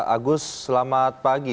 agus selamat pagi